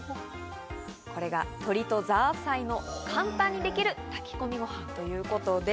これが鶏とザーサイの簡単にできる炊き込みごはんです。